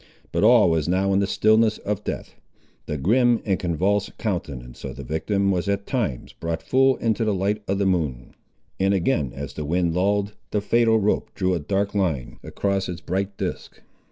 But all was now in the stillness of death. The grim and convulsed countenance of the victim was at times brought full into the light of the moon, and again as the wind lulled, the fatal rope drew a dark line across its bright disk.